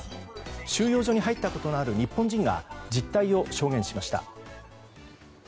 収容所に入ったことのある日本人が実態を証言しました。